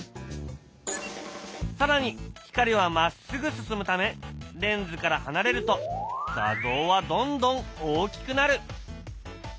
更に光はまっすぐ進むためレンズから離れると画像はどんどん大きくなる！